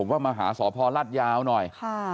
เดี๋ยวผมก็มาหาสพรัฐยาวหน่อย